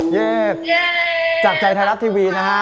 แยกจากใจไทยรัฐทีวีนะฮะ